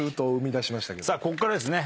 さあこっからですね